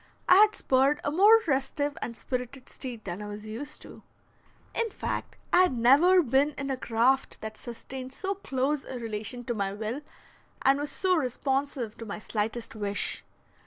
I had spurred a more restive and spirited steed than I was used to. In fact, I had never been in a craft that sustained so close a relation to my will, and was so responsive to my slightest wish.